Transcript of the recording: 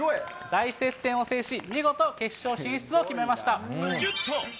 大接戦を制し、見事決勝進出を決めました。